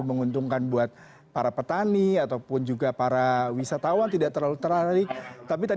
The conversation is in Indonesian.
menguntungkan buat para petani ataupun juga para wisatawan tidak terlalu tertarik tapi tadi